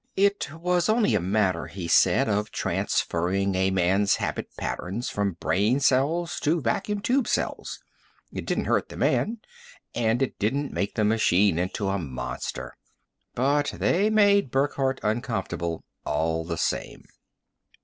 It was only a matter, he said, of transferring a man's habit patterns from brain cells to vacuum tube cells. It didn't hurt the man and it didn't make the machine into a monster. But they made Burckhardt uncomfortable all the same.